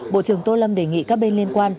bộ trưởng tô lâm đề nghị các bên liên quan